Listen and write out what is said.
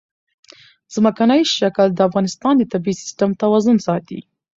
ځمکنی شکل د افغانستان د طبعي سیسټم توازن ساتي.